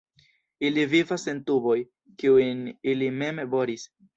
Ili vivas en tuboj, kiujn ili mem boris.